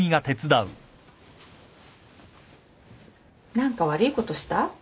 何か悪いことした？